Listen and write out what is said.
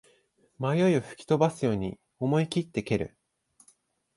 迷いを吹き飛ばすように思いきって蹴る